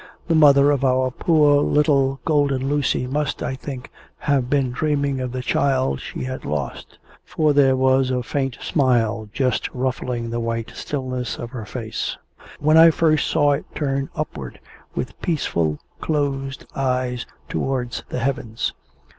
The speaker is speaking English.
The mother of our poor little Golden Lucy must, I think, have been dreaming of the child she had lost; for there was a faint smile just ruffling the white stillness of her face, when I first saw it turned upward, with peaceful closed eyes towards the heavens.